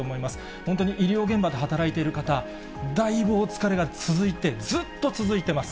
本当に医療現場で働いている方、だいぶお疲れが続いて、ずっと続いてます。